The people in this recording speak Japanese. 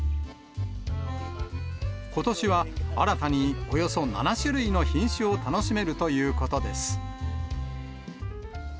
ことしは新たに、およそ７種類の品種を楽しめるということです。